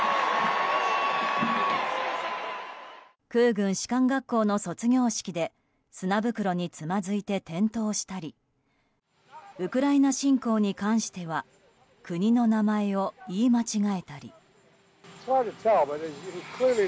空軍士官学校の卒業式で砂袋につまずいて転倒したりウクライナ侵攻に関しては国の名前を言い間違えたり。